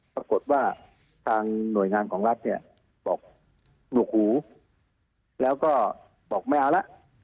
ปรากฏว่าทางหน่วยงานของรัฐเนี่ยบอกหนวกหูแล้วก็บอกไม่เอาละ